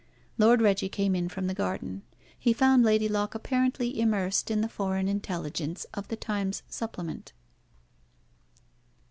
Lord Reggie came in from the garden. He found Lady Locke apparently immersed in the foreign intelligence of the Times Supplement.